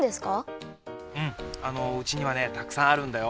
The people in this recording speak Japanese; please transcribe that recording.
うんうちにはねたくさんあるんだよ。